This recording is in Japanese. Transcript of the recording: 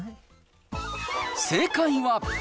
正解は。